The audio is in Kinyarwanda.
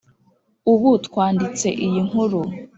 ubu twanditse iyi nkuru